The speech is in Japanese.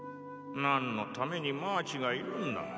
何のためにマーチがいるンだ。